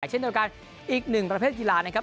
เช่นเดียวกันอีกหนึ่งประเภทกีฬานะครับ